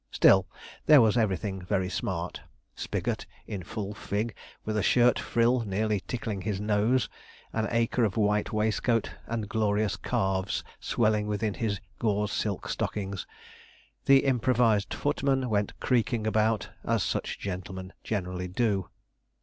Still there was everything very smart; Spigot in full fig, with a shirt frill nearly tickling his nose, an acre of white waistcoat, and glorious calves swelling within his gauze silk stockings. The improvised footman went creaking about, as such gentlemen generally do.